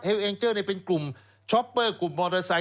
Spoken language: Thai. เอ็งเจอร์เป็นกลุ่มช้อปเปอร์กลุ่มมอเตอร์ไซค